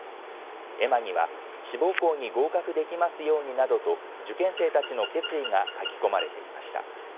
絵馬には志望校に合格できますようになどと受験生たちの決意が書き込まれていました。